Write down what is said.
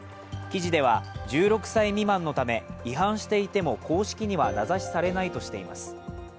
記事では、１６歳未満のため、違反していても公式には名指しされないとしています。